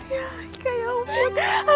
ya alika ya allah